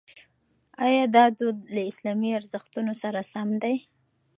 ایا دا دود له اسلامي ارزښتونو سره سم دی؟